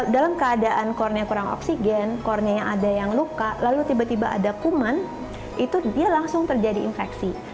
dalam keadaan kornea kurang oksigen cornea ada yang luka lalu tiba tiba ada kuman itu dia langsung terjadi infeksi